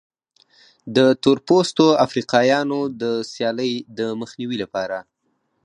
د تور پوستو افریقایانو د سیالۍ د مخنیوي لپاره.